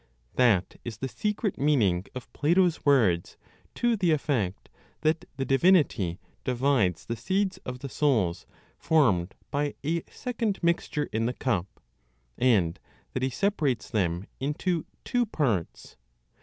That is the secret meaning of Plato's words to the effect that the divinity divides the seeds of the souls formed by a second mixture in the cup, and that He separates them into (two) parts.